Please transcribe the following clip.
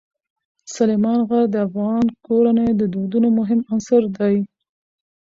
سلیمان غر د افغان کورنیو د دودونو مهم عنصر دی.